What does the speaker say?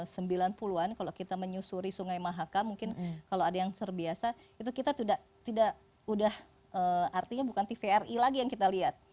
sembilan puluhan kalau kita menyusuri sungai mahaka mungkin kalau ada yang serbiasa itu kita tidak tidak sudah artinya bukan tvri lagi yang kita lihat